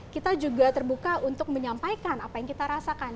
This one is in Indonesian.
kita juga terbuka untuk menyampaikan apa yang kita rasakan